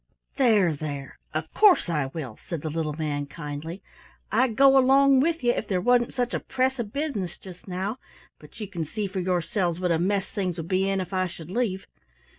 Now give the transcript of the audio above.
"There, there, of course I will," said the little man kindly. "I'd go along with you, if there wasn't such a press of business just now, but you can see for yourselves what a mess things would be in if I should leave.